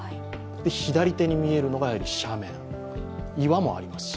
左手に見えるのが斜面、岩もあります。